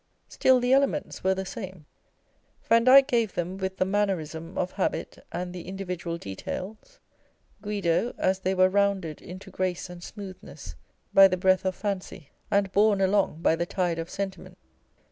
Still the elements were the same. Vandyke gave them with the mannerism of habit and the individual details ; Guido, as they were rounded into grace and smoothness by the breath of fancy, On a Portrait ly Vandyke. 399 and borne along by the tide of sentiment.